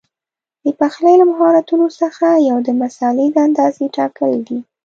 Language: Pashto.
د پخلي له مهارتونو څخه یو د مسالې د اندازې ټاکل دي.